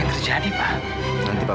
oke percaya cocoknya pak